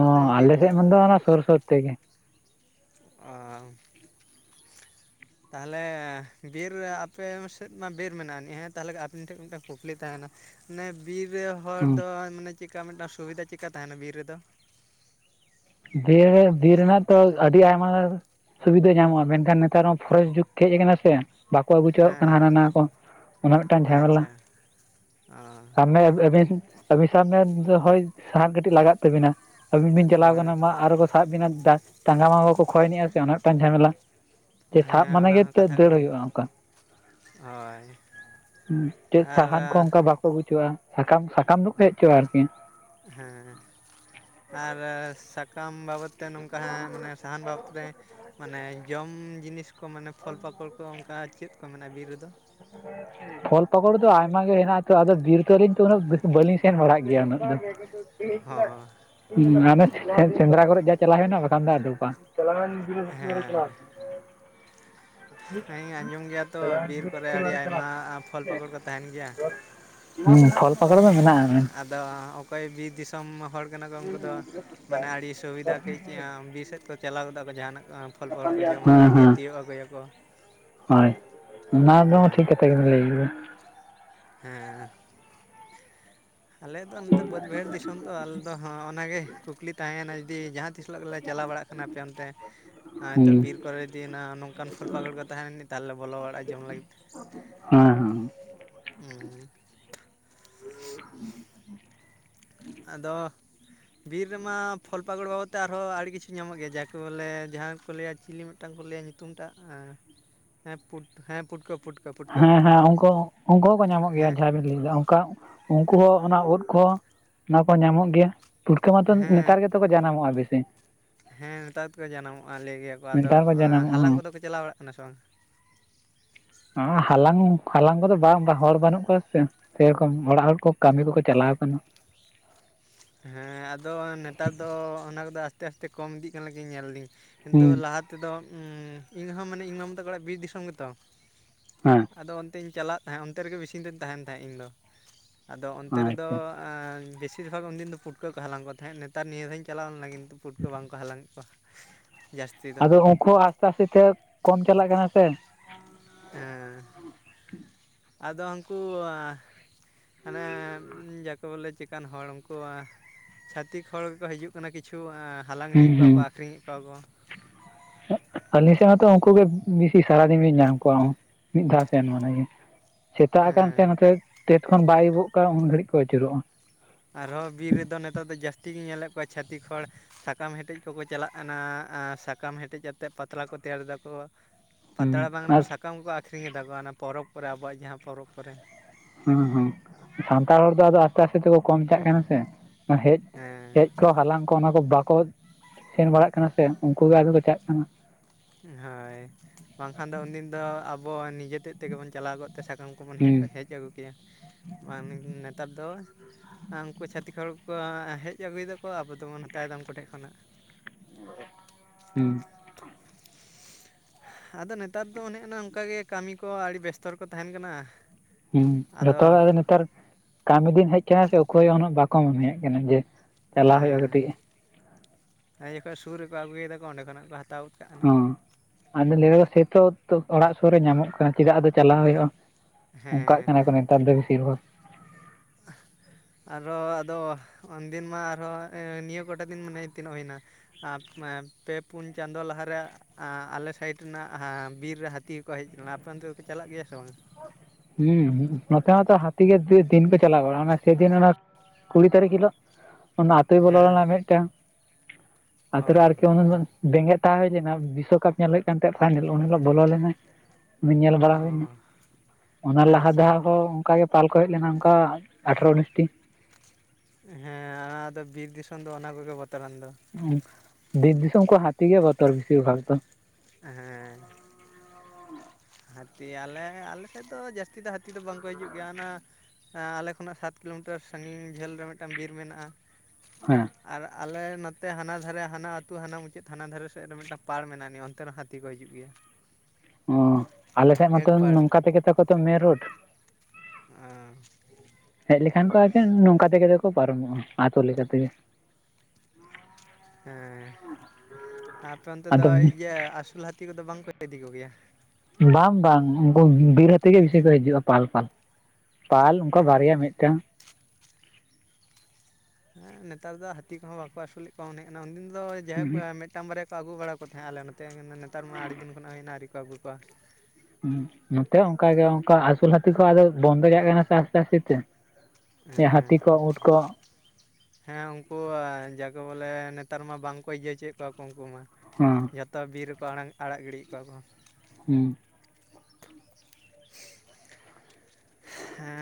[SPEAKER 2] ᱚ
[SPEAKER 1] ᱛᱟᱞᱮᱭᱟ ᱵᱤᱨ ᱵᱤᱨ
[SPEAKER 2] ᱟᱞᱮ ᱥᱮᱜ ᱢᱟ ᱫᱚ ᱚᱱᱟ ᱥᱩᱨ ᱥᱩᱨ ᱛᱮᱜᱮ᱾
[SPEAKER 1] ᱟᱻ ᱛᱟᱦᱞᱮ ᱵᱤᱨ ᱟᱯᱮ ᱥᱮᱫ ᱢᱟ ᱵᱤᱨ ᱢᱮᱱᱟᱜᱼᱟ, ᱱᱤᱦᱟᱹᱛ ᱛᱟᱦᱞᱮ ᱟᱹᱵᱤᱱ ᱴᱷᱮᱱ ᱢᱤᱫᱴᱮᱱ ᱠᱩᱠᱞᱤ ᱛᱟᱦᱮᱸᱱᱟᱼᱼ ᱱᱮ ᱵᱤᱨ ᱨᱮ ᱦᱚᱫ
[SPEAKER 2] ᱦᱩᱸ
[SPEAKER 1] ᱫᱚ ᱢᱟᱱᱮ ᱪᱮᱜ ᱠᱟ ᱢᱤᱜᱴᱟᱝ ᱥᱩᱵᱤᱫᱟ ᱪᱮᱜ ᱠᱟ ᱛᱟᱦᱮᱱᱟ ᱵᱤᱨ ᱨᱮᱫᱚ?
[SPEAKER 2] ᱫᱮ ᱵᱤᱨ ᱱᱟᱜ ᱛᱚ ᱟᱹᱰᱤ ᱟᱭᱢᱟ ᱥᱩᱵᱤᱫᱟ ᱧᱟᱢᱚᱜᱼᱟ, ᱢᱮᱱ ᱠᱷᱟᱱ ᱱᱮᱛᱟᱨ ᱦᱚᱸ ᱯᱷᱨᱚ ᱡᱩᱜᱽ ᱠᱷᱮᱡ ᱠᱟᱱᱟ ᱥᱮ ᱵᱟᱠᱚ ᱟᱜᱩ ᱪᱚᱣᱟᱜ ᱠᱟᱱᱟ
[SPEAKER 1] ᱦᱮᱸ
[SPEAKER 2] ᱦᱟᱱᱟ ᱱᱟ ᱠᱚ, ᱚᱱᱟ ᱢᱤᱜᱴᱟᱝ ᱡᱷᱟᱢᱮᱞᱟ᱾
[SPEAKER 1] ᱟᱪᱪᱷᱟ ᱚ
[SPEAKER 2] ᱥᱟᱵᱢᱮ ᱟᱵᱤ-ᱟᱵᱤᱱ, ᱟᱵᱤ ᱥᱟᱵᱢᱮ ᱫᱚ ᱦᱚᱭ
[SPEAKER 1] [inaudible] ᱦᱳᱭ᱾
[SPEAKER 2] ᱜᱚ ᱥᱟᱵ ᱵᱤᱱᱟ ᱫᱟ ᱴᱟᱸᱜᱟ-ᱢᱟᱣᱟ ᱠᱚ ᱠᱷᱚᱭᱱᱤᱜᱼᱟ ᱥᱮ ᱚᱱᱟ ᱢᱮᱜᱴᱟᱝ ᱡᱷᱟᱢᱮᱞᱟ, ᱪᱮ ᱥᱟᱵ
[SPEAKER 1] ᱦᱮᱸ
[SPEAKER 2] ᱢᱟᱱᱮ
[SPEAKER 1] ᱚᱱᱟ
[SPEAKER 2] ᱜᱮ
[SPEAKER 1] ᱦᱚᱸ
[SPEAKER 2] ᱛᱮ
[SPEAKER 1] ᱠᱟᱛᱷᱟ ᱠᱟᱱ
[SPEAKER 2] ᱫᱟᱹᱲ
[SPEAKER 1] ᱜᱮᱭᱟ
[SPEAKER 2] ᱦᱩᱭᱩᱜᱼᱟ ᱚᱝᱠᱟ᱾
[SPEAKER 1] ᱦᱳᱭ
[SPEAKER 2] ᱩᱸ ᱪᱮᱜ
[SPEAKER 1] ᱟᱨ
[SPEAKER 2] ᱥᱟᱦᱟᱱ ᱠᱚ ᱚᱝᱠᱟ ᱵᱟ- -ᱠᱚ ᱜᱩᱪᱚᱣᱟ, ᱥᱟᱠᱟᱢ, ᱥᱟᱠᱟᱢ ᱫᱚᱠᱚ ᱦᱮᱡ ᱪᱚᱣᱟ ᱟᱨᱠᱤ᱾
[SPEAKER 1] ᱦᱮᱸ, ᱟᱨ ᱥᱟᱠᱟᱢ ᱵᱟᱵᱚᱫ ᱛᱮ ᱱᱚᱝᱠᱟ ᱦᱟᱸ ᱢᱟᱱᱮ ᱥᱟᱦᱟᱱ ᱵᱟᱵᱚᱛ ᱯᱮᱸ ᱢᱟᱱᱮ ᱡᱚᱢ ᱡᱤᱱᱤᱥ ᱠᱚ ᱢᱟᱱᱮ ᱯᱷᱚᱞ, ᱯᱟᱠᱚᱞ ᱠᱚ ᱚᱝᱠᱟ ᱪᱮᱫ ᱠᱚ ᱢᱮᱱᱟᱜᱼᱟ ᱵᱤᱨ ᱨᱮᱫᱚ?
[SPEAKER 2] [inaudible] ᱯᱷᱚᱞ, ᱯᱟᱠᱚᱲ ᱫᱚ ᱟᱭᱢᱟ ᱜᱮ ᱦᱮᱱᱟᱜ ᱟᱛᱚ ᱟᱫᱚ ᱵᱤᱨ ᱛᱚ, ᱨᱤᱧ ᱛᱚ ᱩᱱᱟᱹᱜ ᱵᱤᱥᱤ ᱵᱟᱹᱞᱤᱧ ᱥᱮᱱ ᱵᱟᱲᱟᱜ ᱜᱮᱭᱟ ᱩᱱᱟᱹᱜ ᱫᱚ᱾
[SPEAKER 1] ᱦᱚᱸ
[SPEAKER 2] ᱮ [inaudible] ᱥᱮᱸᱫᱽᱨᱟ ᱠᱚᱨᱮ ᱡᱟ ᱪᱟᱞᱟᱣ ᱦᱩᱭᱱᱟ ᱵᱟᱠᱷᱟᱱ ᱟᱫᱚ ᱵᱟᱝ᱾ [inaudible]
[SPEAKER 1] ᱦᱮᱸᱻᱧ ᱟᱸᱡᱚᱢ ᱜᱮᱭᱟ ᱛᱚ ᱵᱤᱨ ᱠᱚᱨᱮ ᱟᱹᱲᱤ ᱟᱭᱢᱟ ᱯᱷᱚᱞ, ᱯᱟᱠᱚᱲ ᱠᱚ ᱛᱟᱦᱮᱱ ᱜᱮᱸᱭᱟ᱾
[SPEAKER 2] ᱦᱩᱸ ᱯᱷᱚᱞ, ᱯᱟᱠᱟᱲ ᱫᱚ ᱢᱮᱱᱟᱜᱼᱟ᱾
[SPEAKER 1] ᱟᱫᱚ ᱚᱠᱚᱭ ᱵᱤ ᱫᱤᱥᱚᱢ ᱦᱚᱲ ᱠᱟᱱᱟ ᱠᱚ ᱩᱝᱠᱩ ᱫᱚ ᱢᱟᱱᱮ ᱟᱹᱲᱤ ᱥᱩᱵᱤᱫᱟ ᱠᱟᱹᱡ ᱪᱮ ᱟᱸ ᱵᱤ ᱥᱮᱫ ᱠᱚ ᱪᱟᱞᱟᱣ ᱜᱚᱫᱚᱜ ᱟᱠᱚ, ᱡᱟᱦᱟᱱᱟᱜ ᱠᱚᱸ ᱯᱷᱚᱞ, ᱯᱟᱠᱚᱲ ᱠᱚ ᱡᱚᱢ ᱟᱹᱜᱩᱭ ᱜᱮᱭᱟ, ᱛᱤᱭᱳᱜ ᱟᱹᱜᱩᱭᱟᱠᱚ,
[SPEAKER 2] ᱦᱚᱭ, ᱚᱱᱟ ᱫᱚ
[SPEAKER 1] ᱦᱳᱭ
[SPEAKER 2] ᱴᱷᱤᱠ ᱠᱟᱛᱷᱟ ᱜᱮᱵᱤᱱ ᱞᱟᱹᱭ ᱠᱟᱫᱟ᱾
[SPEAKER 1] ᱦᱮᱸ, ᱟᱞᱮ ᱫᱚ ᱱᱚᱛᱮ ᱵᱟᱹᱫᱽ ᱵᱟᱹᱭᱦᱟᱹᱲ ᱫᱤᱥᱚᱱ ᱛᱚ ᱟᱞ ᱫᱚ᱾ ᱦᱚᱸ ᱚᱱᱟ ᱜᱮ ᱠᱩᱠᱞᱤ ᱛᱟᱦᱮᱸᱭᱮᱱᱟ ᱫᱤ ᱡᱟᱦᱟᱸ ᱛᱤᱥ ᱞᱳᱜ ᱜᱮᱞᱮ ᱪᱟᱞᱟ ᱵᱟᱲᱟᱜ ᱠᱟᱱᱟ ᱟᱯᱮ ᱚᱱᱛᱮ ᱟ
[SPEAKER 2] ᱦᱩᱸ
[SPEAKER 1] ᱫᱚ ᱵᱤᱨ
[SPEAKER 2] ᱦᱮᱸ
[SPEAKER 1] ᱠᱚᱨᱮ ᱫᱤ ᱱᱟ ᱱᱚᱝᱠᱟᱱ ᱯᱷᱚᱞ, ᱯᱟᱠᱚᱲ ᱠᱚ ᱛᱟᱦᱮᱱ, ᱱᱤ ᱛᱟᱞᱮ ᱵᱚᱞᱚ ᱵᱟᱲᱟᱜ ᱡᱚᱢ ᱞᱟᱹᱜᱤᱫ᱾
[SPEAKER 2] ᱦᱟᱸ, ᱦᱟᱸ᱾
[SPEAKER 1] ᱩᱸ᱾ ᱟᱸᱫᱚ ᱵᱤᱨ ᱨᱮᱢᱟ ᱯᱷᱚᱞ, ᱯᱟᱠᱚᱲ ᱵᱟᱵᱚᱛ ᱛᱮ ᱟᱨᱦᱚ ᱟᱹᱲᱤ ᱠᱤᱪᱷᱩ ᱧᱟᱢᱚᱜ ᱜᱮᱭᱟ᱾ ᱡᱟ ᱠᱮ ᱵᱚᱞᱮ ᱡᱟᱸᱦᱟ ᱠᱚ ᱞᱟᱹᱭᱟ ᱪᱤᱞᱤ ᱢᱤᱫ- -ᱴᱟᱝ ᱠᱚ ᱞᱟᱹᱭᱟ ᱧᱩᱛᱩᱢᱴᱟᱜ ᱟᱸ ᱦᱮᱸ, ᱦᱮᱸ ᱯᱩᱴ, ᱯᱩᱴᱠᱟᱹ ᱯᱩᱴᱠᱟᱹ
[SPEAKER 2] ᱦᱮᱸ-ᱦᱮᱸ, ᱩᱝᱠᱩ, ᱩᱝᱠᱩ ᱦᱚᱸᱠᱚ ᱧᱟᱢᱚᱜ ᱜᱮᱭᱟ
[SPEAKER 1] ᱦᱮᱸ
[SPEAKER 2] ᱡᱷᱟᱸ ᱵᱤᱱ ᱞᱟᱹᱭᱫᱟ ᱚᱝᱠᱟ ᱩᱝᱠᱩ ᱦᱚᱸ, ᱚᱱᱟ ᱩᱫ ᱠᱚ, ᱚᱱᱟ ᱠᱚ ᱧᱟᱢᱚᱜ ᱜᱮᱭᱟ᱾ ᱯᱩᱴᱠᱟᱹ ᱢᱟᱛᱚᱱ
[SPEAKER 1] ᱦᱮᱸ
[SPEAKER 2] ᱱᱮᱛᱟᱨ ᱜᱮᱛᱚ ᱠᱚ ᱡᱟᱱᱟᱢᱚᱜᱼᱟ ᱵᱮᱥᱤ᱾
[SPEAKER 1] ᱦᱮᱸ, ᱱᱮᱛᱟᱛ ᱠᱚ ᱡᱟᱱᱟᱢᱚᱜᱼᱟ ᱞᱟᱹᱭ ᱜᱮᱭᱟ ᱠᱚ ᱟᱫᱚ
[SPEAKER 2] ᱱᱮᱛᱟᱨ
[SPEAKER 1] ᱟᱸ
[SPEAKER 2] ᱡᱟᱱᱟᱢᱚᱜᱼᱟ
[SPEAKER 1] ᱦᱟᱞᱟᱝ
[SPEAKER 2] ᱦᱚᱸ
[SPEAKER 1] ᱠᱚᱫᱚ ᱠᱚ ᱪᱟᱞᱟᱣ ᱵᱟᱲᱟᱜ ᱠᱟᱱᱟ ᱥᱮ ᱵᱟᱝ?
[SPEAKER 2] ᱚᱸᱻ ᱦᱟᱞᱟᱝ, ᱯᱷᱟᱞᱟᱝ ᱠᱚᱫᱚ ᱵᱟᱝ ᱵᱟ ᱦᱚᱲ ᱵᱟᱱᱩᱜ ᱠᱚᱣᱟ ᱥᱮ᱾ ᱥᱮ ᱠᱚᱢ ᱚᱲᱟᱜ ᱦᱚᱲ ᱠᱚ ᱠᱟᱢᱤ ᱠᱚ-ᱠᱚ ᱪᱟᱞᱟᱣ ᱠᱟᱱᱟ᱾
[SPEAKER 1] ᱦᱮᱸ, ᱟᱫᱚ ᱱᱮᱛᱟᱫᱽ ᱫᱚ ᱚᱱᱟ ᱠᱚᱫᱚ ᱟᱥᱛᱮ-ᱟᱥᱛᱮ ᱠᱚᱢ ᱫᱤᱜ ᱠᱟᱱ ᱞᱮᱠᱟᱹᱧ ᱧᱮᱞᱫᱤᱧ᱾ ᱤᱱᱛᱩ
[SPEAKER 2] ᱦᱩᱸ
[SPEAKER 1] ᱞᱟᱦᱟ ᱛᱮᱫᱚ ᱩᱸ ᱤᱧᱦᱚᱸ ᱢᱟᱱᱮ ᱤᱧ ᱢᱟᱢᱩ ᱛᱟᱠᱚ ᱚᱲᱟᱜ ᱵᱤᱨ ᱫᱤᱥᱚᱢ ᱜᱮᱛᱚ᱾
[SPEAKER 2] ᱮᱸ᱾
[SPEAKER 1] ᱟᱫᱚ ᱚᱱᱛᱮᱹᱧ ᱪᱟᱞᱟᱜ ᱛᱟᱦᱮᱸᱜ, ᱚᱱᱛᱮ ᱨᱮᱜᱮ ᱵᱮᱥᱤᱧ ᱫᱩᱧ ᱛᱟᱦᱮᱱ ᱛᱟ ᱤᱧᱫᱚ, ᱟᱫᱚ ᱚᱱᱛᱮ ᱨᱮᱫᱚ
[SPEAKER 2] ᱟᱪᱪᱷᱟ
[SPEAKER 1] ᱟᱸ ᱵᱮᱥᱤᱨ ᱵᱷᱟᱜᱽ ᱩᱱᱫᱤᱱ ᱯᱩᱴᱠᱟᱹ ᱠᱚ, ᱦᱟᱞᱟᱝ ᱠᱚ ᱛᱷᱮᱸᱜ, ᱱᱮᱛᱟ ᱱᱤᱭᱟᱹ ᱫᱷᱟᱹᱣᱤᱧ ᱪᱟᱞᱟᱶ ᱞᱟᱹᱜᱤᱫ᱾ ᱯᱩᱴᱠᱟᱹ ᱵᱟᱝ ᱠᱚ ᱦᱟᱞᱟᱝᱮᱜ ᱠᱚᱣᱟ᱾ ᱡᱟᱹᱥᱛᱤ ᱫᱚ
[SPEAKER 2] ᱟᱫᱚ ᱩᱝᱠᱷᱩᱶ ᱟᱥᱛᱮ-ᱟᱥᱛᱮ ᱛᱮ ᱠᱚᱢ ᱪᱟᱞᱟᱜ ᱠᱟᱱᱟ ᱥᱮ᱾
[SPEAKER 1] ᱦᱮᱸ᱾ ᱟᱫᱚ ᱟᱝᱠᱩ [inaudible] ᱦᱟᱱᱮ ᱡᱟᱠᱮ ᱵᱚᱞᱮ ᱪᱮᱠᱟᱱ ᱦᱚᱲ ᱩᱱᱠᱩᱣᱟᱜ ᱪᱷᱟᱛᱤᱠ ᱦᱚᱲ ᱜᱮᱠᱚ ᱦᱤᱡᱩᱜ ᱠᱟᱱᱟ ᱠᱤᱪᱷᱩ ᱮᱸᱜ ᱦᱟᱞᱟᱝ
[SPEAKER 2] ᱦᱩᱸ
[SPEAKER 1] ᱤᱫᱤᱭᱮᱫ ᱠᱚᱣᱟ
[SPEAKER 2] ᱦᱩᱸ
[SPEAKER 1] ᱠᱚ ᱟᱠᱷᱨᱤᱧᱮᱜ ᱠᱚᱣᱟ ᱠᱚ᱾
[SPEAKER 2] ᱟᱹᱞᱤᱧ ᱥᱮᱫ ᱢᱟᱛᱚ ᱩᱱᱠᱩ ᱜᱮ ᱵᱤᱥᱤ ᱥᱟᱨᱟᱫᱤᱱ ᱵᱤᱱ ᱧᱟᱢ ᱠᱚᱣᱟ ᱦᱩᱸ ᱢᱤᱫ ᱫᱷᱟᱣ ᱥᱮᱱ ᱢᱟᱱᱮ ᱜᱮ ᱥᱮᱛᱟᱜ ᱦᱟᱠᱟᱱ ᱥᱮ
[SPEAKER 1] ᱦᱮᱸ
[SPEAKER 2] ᱱᱚᱛᱮ ᱛᱤᱥ ᱠᱷᱚᱱ ᱵᱟᱭ ᱟᱭᱩᱵᱚᱜ ᱠᱟᱱᱟ ᱩᱱ ᱜᱷᱟᱹᱲᱤᱡ ᱠᱚ ᱟᱹᱪᱩᱨᱚᱜ-ᱟ᱾
[SPEAKER 1] ᱟᱨᱦᱚ ᱵᱤᱨ ᱨᱮᱫᱚ ᱱᱮᱛᱟᱨ ᱫᱚ ᱡᱟᱹᱥᱛᱤ ᱜᱤᱧ ᱧᱮᱞᱮᱜ ᱠᱚᱣᱟ ᱪᱷᱟᱹᱛᱤᱠ ᱦᱚᱲ᱾ ᱥᱟᱠᱟᱢ ᱦᱮᱴᱮᱡ ᱠᱚᱠᱚ ᱪᱟᱞᱟᱜ ᱠᱟᱱᱟ ᱟᱨ ᱥᱟᱠᱟᱢ ᱦᱮᱴᱮᱡ ᱠᱟᱛᱮᱫ ᱯᱟᱛᱞᱟ ᱠᱚ ᱛᱮᱭᱟᱨ ᱫᱟᱠᱚ᱾
[SPEAKER 2] ᱦᱩᱸ
[SPEAKER 1] ᱯᱟᱛᱲᱟ ᱵᱟᱝ
[SPEAKER 2] ᱟᱨ
[SPEAKER 1] ᱨᱮᱦᱚᱸ ᱥᱟᱠᱟᱢ ᱠᱚᱠᱚ ᱟᱠᱷᱨᱤᱧ ᱮᱫᱟ ᱠᱚ ᱚᱱᱟ ᱯᱚᱨᱚᱵᱽ ᱠᱚᱨᱮ ᱟᱵᱚᱣᱟᱜ ᱡᱟᱦᱟᱸ ᱯᱚᱨᱚᱵᱽ ᱠᱚᱨᱮ
[SPEAKER 2] ᱦᱩᱸ ᱦᱩᱸ ᱥᱟᱱᱛᱟᱲ ᱦᱚᱲ ᱫᱚ ᱟᱫᱚ ᱟᱥᱛᱮ ᱟᱥᱛᱮ ᱛᱮᱠᱚ ᱠᱚᱢᱪᱟᱜ ᱠᱟᱱᱟ ᱥᱮ ᱦᱮᱡ
[SPEAKER 1] ᱦᱮᱸ
[SPEAKER 2] ᱦᱮᱡ ᱛᱚ ᱦᱟᱞᱟᱝ ᱠᱚ ᱚᱱᱟ ᱠᱚ ᱵᱟᱠᱚ ᱥᱮᱱ ᱵᱟᱲᱟᱜ ᱠᱟᱱᱟ ᱥᱮ ᱩᱱᱠᱩ ᱜᱮ ᱟᱫᱚ ᱠᱚ ᱪᱟᱜ ᱠᱟᱱᱟ᱾
[SPEAKER 1] ᱦᱳᱭ ᱵᱟᱝᱠᱷᱟᱱ ᱫᱚ ᱩᱱᱫᱤᱱ ᱫᱚ ᱟᱵᱚᱣᱟ ᱱᱤᱡᱮ ᱛᱮᱫ ᱛᱮᱜᱮ ᱵᱚᱱ ᱪᱟᱞᱟᱣ ᱜᱚᱫᱛᱮ ᱥᱟᱠᱟᱢ ᱠᱚ᱾ ᱠᱚᱵᱚᱱ ᱦᱮ
[SPEAKER 2] ᱦᱩᱸ
[SPEAKER 1] ᱦᱮᱡ ᱟᱹᱜᱩ ᱠᱮᱭᱟ [inaudible] ᱱᱮᱛᱟᱨ ᱫᱚ ᱟ ᱩᱱᱠᱩ ᱪᱷᱟᱹᱛᱤᱠ ᱦᱚᱲ ᱠᱚ ᱦᱮᱡ ᱟᱹᱜᱩᱭᱫᱟᱠᱚ ᱟᱵᱚ ᱫᱚᱵᱚᱱ ᱦᱟᱛᱟᱣᱫᱟ ᱩᱱᱠᱩ ᱴᱷᱮᱜ ᱠᱷᱚᱱᱟᱜ
[SPEAKER 2] ᱦᱩᱸ
[SPEAKER 1] ᱟᱫᱚ ᱱᱮᱛᱟᱨ ᱫᱚ ᱚᱱᱮ ᱚᱱᱟ ᱚᱝᱠᱟᱜᱮ ᱠᱟᱹᱢᱤ ᱠᱚ ᱟᱹᱰᱤ ᱵᱮᱥᱛᱚ ᱨᱮᱠᱚ ᱛᱟᱦᱮᱱ ᱠᱟᱱᱟ᱾
[SPEAKER 2] ᱦᱩᱸ
[SPEAKER 1] ᱟᱫᱚ
[SPEAKER 2] ᱡᱚᱛᱚ ᱦᱚᱲᱟᱜ ᱱᱮᱛᱟᱨ ᱠᱟᱹᱢᱤ ᱫᱤᱱ ᱦᱮᱡ ᱠᱟᱱᱟ ᱥᱮ ᱚᱠᱚᱭ ᱦᱚᱸ ᱩᱱᱟᱹᱜ ᱵᱟᱠᱚ ᱢᱚᱱᱮᱭᱟᱜ ᱠᱟᱱᱟ ᱡᱮ ᱪᱟᱞᱟ ᱦᱩᱭᱩᱜ-ᱟ ᱠᱟᱹᱴᱤᱡ
[SPEAKER 1] ᱮᱹᱭ ᱡᱚᱠᱷᱚᱱ ᱥᱩᱨ ᱨᱮᱠᱚ ᱟᱹᱜᱩᱭ ᱫᱟᱠᱚ ᱚᱸᱰᱮ ᱠᱷᱚᱱᱟᱜ ᱠᱚ ᱦᱟᱛᱟᱣ᱾ ᱠᱟᱜ ᱠᱟᱱᱟ
[SPEAKER 2] ᱦᱚᱸ ᱟᱫᱚ ᱞᱟᱹᱭᱫᱟᱠᱚ ᱥᱮᱛᱳ ᱛᱳ ᱚᱲᱟᱜ ᱥᱩᱨ ᱨᱮ ᱧᱟᱢᱚᱜ ᱠᱟᱱᱟ ᱪᱮᱫᱟᱜ ᱟᱫᱚ ᱪᱟᱞᱟᱣ ᱦᱩᱭᱩᱜᱼᱟ᱾ ᱚᱝᱠᱟᱜ
[SPEAKER 1] ᱦᱮᱸ
[SPEAKER 2] ᱠᱟᱱᱟ ᱠᱚ ᱱᱮᱛᱟᱨ ᱫᱚ ᱵᱤᱥᱤᱨ ᱵᱷᱟᱜᱽ
[SPEAKER 1] [inaudible] ᱟᱨᱦᱚᱸ ᱟᱫᱚ ᱩᱱᱫᱤᱱ ᱢᱟ ᱟᱨᱦᱚ ᱦᱚ ᱱᱤᱭᱟᱹ ᱠᱚᱴᱟ ᱫᱤᱱ ᱢᱟᱱᱮ ᱛᱤᱱᱟᱹᱜ ᱦᱩᱭᱱᱟ᱾ [inaudible] ᱯᱮ ᱯᱩᱱ ᱪᱟᱸᱫᱳ ᱞᱟᱦᱟᱨᱮ ᱮᱸᱜ ᱟᱞᱮ ᱥᱟᱭᱤᱰ ᱮᱸ ᱨᱮᱱᱟᱜ ᱵᱤᱨ ᱨᱮ ᱦᱟᱹᱛᱤ ᱠᱚᱠᱚ ᱦᱮᱡ ᱞᱮᱱᱟ ᱟᱯᱮ ᱚᱱᱛᱮ ᱫᱚᱠᱚ ᱪᱟᱞᱟᱜ ᱜᱮᱭᱟ ᱥᱮ ᱵᱟᱝᱟ᱾
[SPEAKER 2] ᱦᱩᱸ ᱱᱚᱛᱮ ᱦᱚᱸᱛᱚ ᱦᱟᱹᱛᱤ ᱜᱮ [inaudible] ᱫᱤᱱ ᱠᱚ ᱪᱟᱞᱟ ᱵᱟᱲᱟᱜ-ᱟ ᱥᱮᱫᱤᱱ ᱚᱱᱟ᱾ ᱠᱩᱲᱤ ᱛᱟᱨᱤᱠᱷ ᱦᱤᱞᱳᱜ ᱚᱱᱟ ᱟᱛᱳᱭ ᱵᱚᱞᱚ
[SPEAKER 1] ᱦᱮᱸ
[SPEAKER 2] ᱞᱮᱱᱟ ᱢᱮᱫᱴᱟᱝ ᱟᱛᱳ ᱨᱮ
[SPEAKER 1] ᱚ
[SPEAKER 2] ᱟᱨᱠᱤ ᱩᱱ ᱵᱮᱸᱜᱮᱫ ᱛᱟᱦᱮᱸ ᱦᱩᱭ ᱞᱮᱱᱟ ᱵᱤᱥᱥᱚᱠᱟᱯ ᱧᱮᱞ ᱦᱩᱭᱩᱜ ᱠᱟᱱ ᱛᱟᱦᱮᱸ ᱯᱷᱟᱭᱱᱮᱞ ᱩᱱ ᱦᱤᱞᱳᱜ ᱵᱚᱞᱚ ᱞᱮᱱᱟᱭ ᱩᱱᱤ ᱧᱮᱞ ᱵᱟᱲᱟ
[SPEAKER 1] ᱚ
[SPEAKER 2] ᱦᱩᱭ ᱮᱱᱟ᱾ ᱚᱱᱟ ᱞᱟᱦᱟ
[SPEAKER 1] ᱟᱪᱪᱷᱟ
[SPEAKER 2] ᱫᱚᱦᱟᱜ ᱦᱚᱸ ᱚᱱᱠᱟ ᱜᱮ ᱯᱟᱞ ᱠᱚ ᱦᱮᱡᱽ ᱞᱮᱱᱟ ᱚᱱᱠᱟ ᱟᱴᱷᱮᱨᱚ ᱩᱱᱤᱥ ᱴᱤ
[SPEAKER 1] ᱦᱮᱸᱻ ᱟᱫᱚ ᱵᱤᱨ ᱫᱤᱥᱚᱢ ᱫᱚ ᱚᱱᱟ ᱠᱚᱜᱮ ᱵᱚᱛᱚᱨ ᱟᱱ ᱫᱚ
[SPEAKER 2] ᱩᱸ ᱵᱤᱨ ᱫᱤᱥᱚᱢ ᱠᱚ ᱦᱟᱹᱛᱤ ᱜᱮ ᱵᱚᱛᱚᱨ ᱵᱮᱥᱤᱨ ᱵᱷᱟᱜ ᱫᱚ
[SPEAKER 1] ᱦᱮᱸ ᱦᱟᱹᱛᱤ ᱟᱞᱮ ᱟᱞᱮ ᱥᱮᱫ ᱫᱚ ᱡᱟᱹᱥᱛᱤ ᱫᱚ ᱦᱟᱹᱛᱤ ᱫᱚ ᱵᱟᱝ ᱠᱚ ᱦᱤᱡᱩᱜ ᱜᱮᱭᱟ ᱚᱱᱟ᱾ ᱟᱞᱮ ᱠᱷᱚᱱᱟᱜ ᱥᱟᱛ ᱠᱤᱞᱳ ᱢᱤᱴᱟᱨ ᱥᱟᱺᱜᱤᱧ ᱡᱷᱟᱹᱞ ᱨᱮ ᱢᱤᱫ ᱴᱟᱝ ᱵᱤᱨ ᱢᱮᱱᱟᱜᱼᱟ᱾
[SPEAKER 2] ᱦᱮᱸ
[SPEAKER 1] ᱟᱨ ᱟᱞᱮ ᱱᱚᱛᱮ ᱦᱟᱱᱟ ᱫᱷᱟᱨᱮ ᱦᱟᱱᱟ ᱟᱹᱛᱩ ᱦᱟᱱᱟ ᱢᱩᱪᱟᱹᱫ ᱦᱟᱱᱟ ᱫᱷᱟᱨᱮ ᱥᱮᱫ ᱨᱮ ᱢᱤᱫᱴᱟᱝ ᱯᱟᱲ ᱢᱮᱱᱟᱜ ᱱᱤᱭᱟᱹ ᱚᱱᱛᱮ ᱨᱮ ᱚᱸ ᱦᱟᱹᱛᱤ ᱠᱚ ᱦᱤᱡᱩᱜ ᱜᱮᱭᱟ᱾
[SPEAKER 2] ᱚᱸ ᱟᱞᱮ ᱥᱮᱫ
[SPEAKER 1] ᱮᱸᱠ
[SPEAKER 2] ᱢᱟᱛᱚ
[SPEAKER 1] ᱯᱟᱲ
[SPEAKER 2] ᱱᱚᱝᱠᱟ ᱛᱮ ᱜᱮ ᱛᱟᱠᱚ ᱛᱚ ᱢᱮᱱ ᱨᱳᱰ
[SPEAKER 1] ᱟᱸ
[SPEAKER 2] ᱦᱮᱡ ᱞᱮᱠᱷᱟᱱ ᱠᱚ ᱟᱫᱮ ᱱᱚᱝᱠᱟ ᱛᱮ ᱜᱮ ᱛᱚ ᱠᱚ ᱯᱟᱨᱚᱢᱚᱜᱼᱟ ᱟᱛᱳ ᱞᱮᱠᱟ ᱛᱮ ᱜᱮ
[SPEAKER 1] ᱦᱮᱸ ᱟᱯᱮ ᱚᱱᱛᱮ ᱫᱚ
[SPEAKER 2] ᱟᱫᱚ
[SPEAKER 1] ᱤᱭᱟᱹ ᱟᱹᱥᱩᱞ ᱦᱟᱹᱛᱤ ᱠᱚᱫᱚ ᱵᱟᱝ ᱠᱚ ᱤᱫᱤ ᱠᱚᱜᱮᱭᱟ᱾
[SPEAKER 2] ᱵᱟᱝ ᱵᱟᱝ ᱩᱱᱠᱩ ᱵᱤᱨ ᱦᱟᱹᱛᱤ ᱜᱮ ᱵᱤᱥᱤ ᱠᱚ ᱦᱤᱡᱩᱜᱼᱟ ᱯᱟᱞᱼᱯᱟᱞ ᱯᱟᱞ ᱚᱱᱠᱟ ᱵᱟᱨᱭᱟ
[SPEAKER 1] ᱦᱮᱸ
[SPEAKER 2] ᱢᱤᱫ ᱴᱟᱝ
[SPEAKER 1] ᱦᱮᱸ ᱱᱮᱛᱟᱨ ᱫᱚ ᱦᱟᱹᱛᱤ ᱠᱚᱦᱚᱸ ᱵᱟᱠᱚ ᱟᱹᱥᱩᱞᱮᱫ ᱠᱚᱣᱟ ᱢᱚᱱᱮ ᱦᱩᱭᱩᱜ ᱠᱟᱱᱟ ᱩᱱᱫᱤᱱ ᱫᱚ ᱡᱟᱦᱟᱸ ᱠᱩ ᱟᱸ ᱢᱮ ᱴᱟᱝ ᱵᱟᱨᱭᱟ ᱠᱚ ᱟᱹᱜᱩ ᱵᱟᱲᱟ ᱠᱚ ᱛᱟᱦᱮᱸᱫ ᱟᱞᱮ ᱱᱚᱛᱮ ᱱᱮᱛᱟᱨ ᱢᱟ ᱟᱹᱰᱤ ᱫᱤᱱ ᱠᱷᱚᱱᱟᱜ ᱦᱩᱭ ᱱᱟ ᱟᱹᱣᱨᱤ ᱠᱚ ᱟᱹᱜᱩ ᱠᱚᱣᱟ᱾
[SPEAKER 2] ᱦᱩ ᱱᱚᱛᱮ ᱚᱱᱠᱟ ᱜᱮ ᱚᱱᱠᱟ ᱟᱹᱥᱩᱞ ᱦᱟᱛᱤ ᱠᱚ ᱟᱫᱚ ᱵᱚᱱᱫᱚ ᱪᱟᱜ ᱠᱟᱱᱟ ᱥᱮ ᱟᱥᱛᱮ ᱟᱥᱛᱮᱼᱼ
[SPEAKER 1] ᱮᱸ ᱦᱮᱸ, ᱩᱱᱠᱩ ᱟᱼ ᱡᱟᱠᱮ ᱵᱚᱞᱮ, ᱱᱮᱛᱟᱨ ᱢᱟ, ᱵᱟᱝᱠᱚ ᱤᱭᱟᱹ, ᱪᱚᱭᱮᱫ ᱠᱚᱣᱟ ᱠᱚ, ᱩᱱᱠᱩ ᱢᱟ
[SPEAKER 2] ᱦᱚᱸᱻ ᱾
[SPEAKER 1] ᱡᱚᱛᱚ ᱵᱤᱨ ᱨᱮᱠᱚ, ᱟᱲᱟᱝ, ᱟᱲᱟᱜ ᱜᱤᱲᱤᱭᱮᱫ ᱠᱚᱣᱟ ᱠᱚ,
[SPEAKER 2] ᱦᱩᱸᱻ ᱾
[SPEAKER 1] ᱦᱮᱸᱻ ᱾